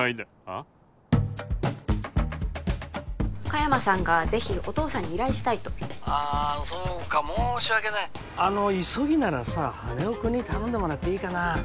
香山さんがぜひお父さんに依頼したいと☎あーそうか申し訳ないあの急ぎならさ羽男くんに頼んでもらっていいかな